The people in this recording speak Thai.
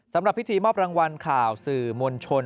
สำหรับพิธีมอบรางวัลข่าวสื่อมวลชน